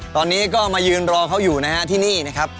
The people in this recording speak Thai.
ตอนนี้ก็มายืนรอเขาอยู่นะฮะที่นี่นะครับ